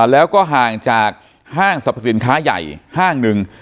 แล้วก็ห่างจากห้างสรรพสินค้าใหญ่ห้างหนึ่ง